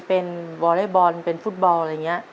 เป็นวอเล็กบอลเป็นฟุตบอลอะไรอย่างนี้